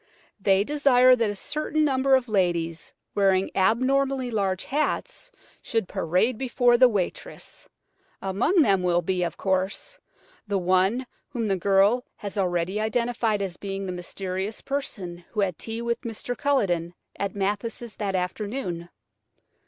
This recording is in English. They desire that a certain number of ladies wearing abnormally large hats should parade before the waitress. Among them will be, of course, the one whom the girl has already identified as being the mysterious person who had tea with Mr. Culledon at Mathis' that afternoon.